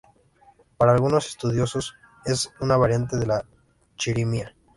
Para algunos estudiosos es una variante de la chirimía.